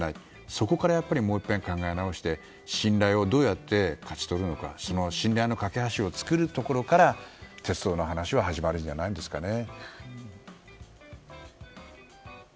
そこから考え直して信頼をどうやって勝ち取るかその信頼の架け橋を作るところから、鉄道の話は始まるんじゃないですかね。